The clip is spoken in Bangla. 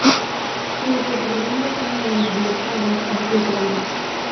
পূর্বপরিচিত বন্ধুদের পাইয়া নরেন্দ্র বিলক্ষণ আমোদ করিতে লাগিলেন।